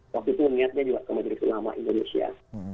waktu itu niatnya juga ke majelis ulama indonesia